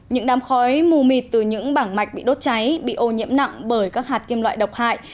những đám khói mù mịt từ những bảng mạch bị đốt cháy bị ô nhiễm nặng bởi các hạt kim loại độc hại